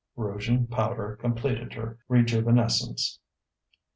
Rouge and powder completed her rejuvenescence.